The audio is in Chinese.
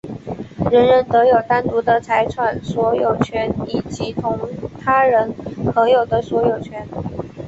人人得有单独的财产所有权以及同他人合有的所有权。